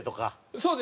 そうです。